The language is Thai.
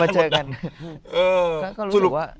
เออน่าจะมาเจอกันก็รู้จักว่าตัวไปอยู่บ้านหมดดำ